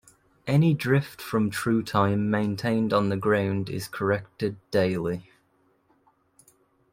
Any drift from true time maintained on the ground is corrected daily.